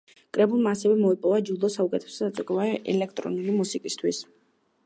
კრებულმა ასევე მოიპოვა ჯილდო საუკეთესო საცეკვაო ელექტრონული მუსიკისთვის.